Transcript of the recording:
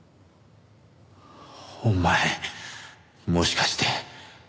お前もしかして。